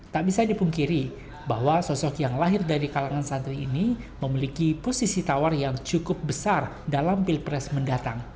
tak bisa dipungkiri bahwa sosok yang lahir dari kalangan santri ini memiliki posisi tawar yang cukup besar dalam pilpres mendatang